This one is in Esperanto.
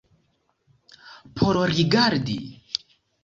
Por rigardi.